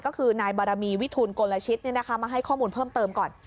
ก็คือนายบารมีวิทูลกลชิตมาให้ข้อมูลเพิ่มเติมก่อน